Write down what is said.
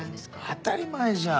当たり前じゃん。